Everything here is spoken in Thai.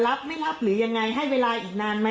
แล้วลุงเป็นอะไร